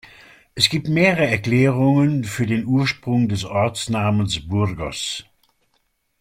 Es gibt mehrere Erklärungen für den Ursprung des Ortsnamens Burgos.